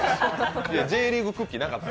Ｊリーグクッキーなかった。